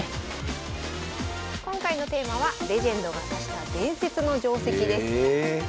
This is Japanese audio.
今回のテーマはレジェンドが指した伝説の定跡です